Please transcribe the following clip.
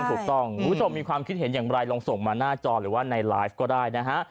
คุณผู้ชมมีความคิดเห็นอย่างไรลองส่งมาหน้าจอหรือว่าในไลฟ์ก็ได้นะฮะ